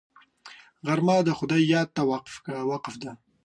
غرمه د خدای یاد ته وقفه ده